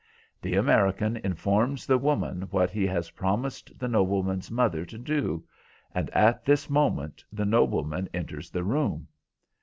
The American informs the woman what he has promised the nobleman's mother to do, and at this moment the nobleman enters the room.